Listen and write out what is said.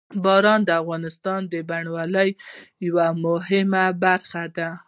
باران د افغانستان د بڼوالۍ یوه مهمه برخه ده.